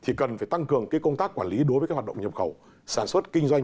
thì cần phải tăng cường công tác quản lý đối với hoạt động nhập khẩu sản xuất kinh doanh